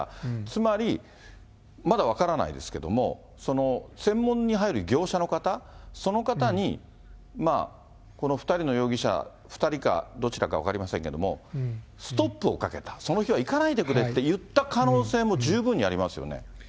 つまりまだ分からないですけれども、専門に入る業者の方、その方にこの２人の容疑者、２人かどちらか分かりませんけれども、ストップをかけた、その日は行かないでくれって言った可能性も十分にありますよね。